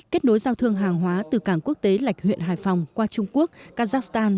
kết nối giao thương hàng hóa từ cảng quốc tế lạch huyện hải phòng qua trung quốc kazakhstan